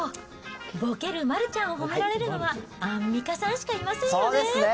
ボケる丸ちゃんを褒められるのは、アンミカさんしかいませんよね。